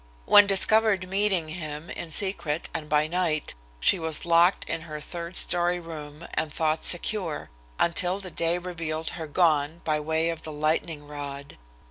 When discovered meeting him in secret and by night, she was locked in her third story room and thought secure, until the day revealed her gone by way of the lightning rod.